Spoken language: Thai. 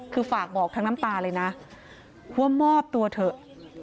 คือฝากบอกทั้งน้ำตาเลยนะว่ามอบตัวเถอะ